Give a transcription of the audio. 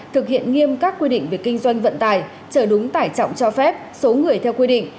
thực hiện nghiêm các quy định về kinh doanh vận tải chở đúng tải trọng cho phép số người theo quy định